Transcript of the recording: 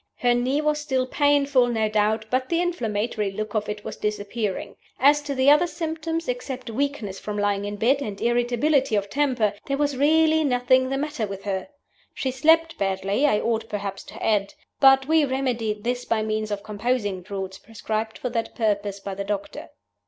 Her knee was still painful, no doubt; but the inflammatory look of it was disappearing. As to the other symptoms, except weakness from lying in bed, and irritability of temper, there was really nothing the matter with her. She slept badly, I ought perhaps to add. But we remedied this by means of composing draughts prescribed for that purpose by the doctor.